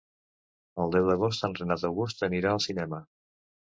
El deu d'agost en Renat August anirà al cinema.